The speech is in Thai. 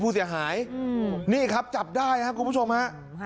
ผู้เสียหายนี่ครับจับได้ครับคุณผู้ชมฮะ